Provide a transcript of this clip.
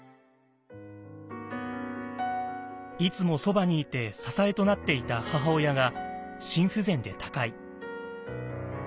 いつもそばにいて支えとなっていた母親が心不全で他界。